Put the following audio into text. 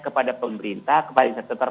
kepada pemerintah kepada insentor